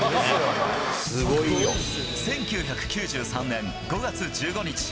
１９９３年５月１５日。